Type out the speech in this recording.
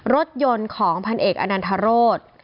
รถยนต์ของพันเอกอนันทรโรธ